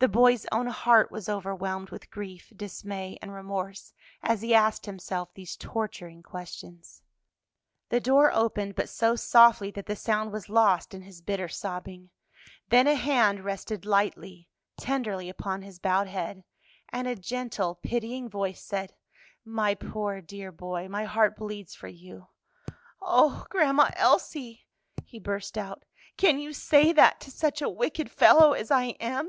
The boy's own heart was overwhelmed with grief, dismay, and remorse as he asked himself these torturing questions. The door opened, but so softly that the sound was lost in his bitter sobbing, then a hand rested lightly, tenderly upon his bowed head, and a gentle, pitying voice said, "My poor, dear boy, my heart bleeds for you." "O Grandma Elsie!" he burst out, "can you say that to such a wicked fellow as I am?"